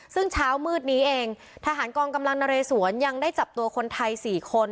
ซึ่งเช้ามืดนี้เองทหารกองกำลังนเรสวนยังได้จับตัวคนไทย๔คน